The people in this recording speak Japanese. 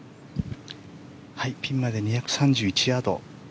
ピンまで２３１ヤード。